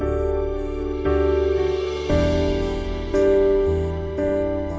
อ้าเป็นหรือไง